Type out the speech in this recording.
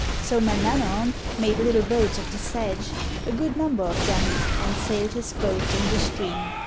So Manannan made little boats of the sedge, a good number of them, and sailed his boats in the stream.